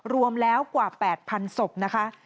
รวมแล้วกว่า๘๐๐๐ศพนะคะ